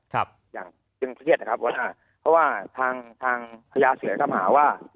จึงพิเศษนะครับว่าทางพญาเสือคำหาว่า